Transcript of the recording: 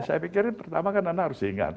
yang saya pikirin pertama karena nana harus ingat